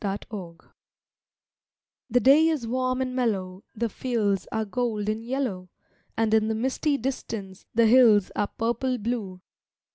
TO —— The day is warm and mellow, The fields are gold and yellow, And in the misty distance The hills are purple blue.